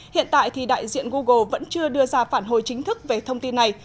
hiện tại thì đại diện google vẫn chưa đưa ra phản hồi chính thức về thông tin này